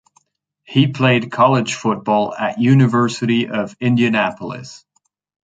He played college football at University of Indianapolis.